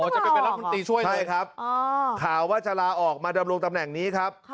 อ๋อจะไปรัฐบุตรีช่วยด้วยใช่ครับข่าวว่าจะลาออกมาดำรวงตำแหน่งนี้ครับ